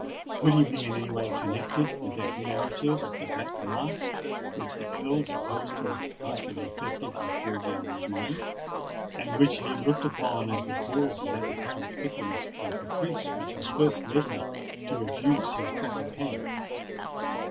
Could he be in any way connected with that narrative of the Black Mask which the Earl supposed to have partially affected his Georgiana's mind, and which he looked upon as the cause of that apparent fickleness or caprice which had first led her to refuse his proffered hand?